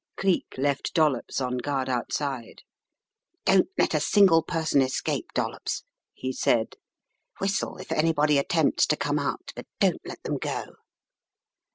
Cleek left Dollops on guard outside. "Don't let a single person escape, Dollops," he said. "Whistle if anybody attempts to come out, but don't let them go."